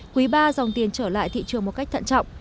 quý ba dòng tiền trở lại thị trường một cách thận trọng